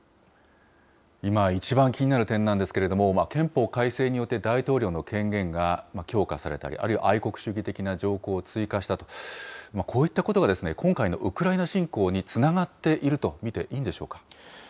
今一番気になる点なんですけれども、憲法改正によって、大統領の権限が強化されたり、あるいは愛国主義的な条項を追加したと、こういったことが今回のウクライナ侵攻につながっていると見ていいんでしょうか。